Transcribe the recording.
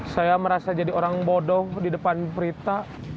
saya merasa jadi orang bodoh di depan prita